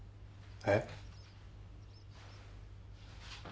えっ？